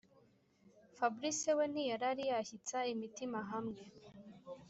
fabric we ntiyarari yashyitsa imitima hamwe